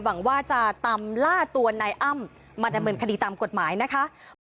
หวังว่าจะตามล่าตัวนายอ้ำมาดำเนินคดีตามกฎหมายนะคะ